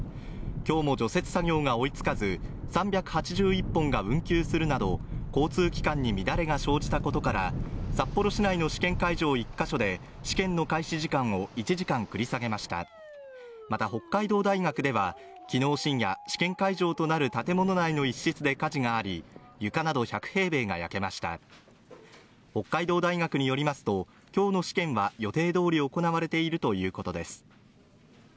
今日も除雪作業が追いつかず３８１本が運休するなど交通機関に乱れが生じたことから札幌市内の試験会場を１か所で試験の開始時間を１時間繰り下げましたまた北海道大学では昨日深夜試験会場となる建物内の一室で火事があり床など１００平米が焼けました北海道大学によりますときょうの試験は予定どおり行われているということです